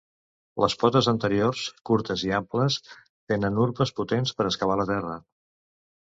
Les potes anteriors, curtes i amples, tenen urpes potents per excavar la terra.